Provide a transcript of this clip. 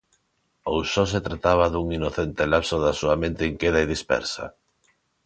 Ou só se trataba dun inocente lapso da súa mente inqueda e dispersa?